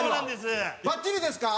バッチリですか？